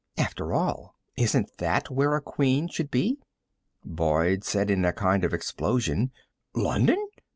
"After all, isn't that where a Queen should be?" Boyd said, in a kind of explosion: "London?